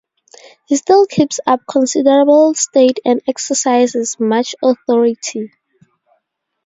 He still keeps up considerable state and exercises much authority.